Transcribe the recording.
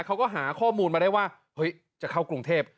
เขาก็หาข้อมูลมาได้ว่าเฮ้ยจะเข้ากรุงเทพ